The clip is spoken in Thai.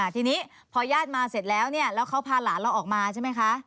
ทีนี้พอญาติมาเสร็จแล้วแล้วเขาพาหลานเราออกมาใช่ไหมคะ